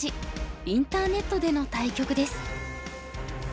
インターネットでの対局です。